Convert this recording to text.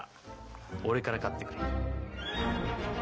俺から買ってくれ。